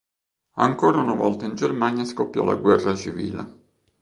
Ancora una volta in Germania scoppiò la guerra civile.